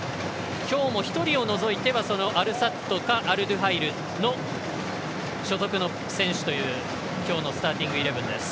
今日も１人を除いてはアルサッドかアルドゥハイルの所属の選手という今日のスターティングイレブンです。